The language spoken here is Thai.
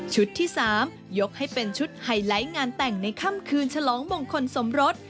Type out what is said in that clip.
ที่๓ยกให้เป็นชุดไฮไลท์งานแต่งในค่ำคืนฉลองมงคลสมรส